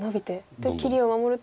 で切りを守ると。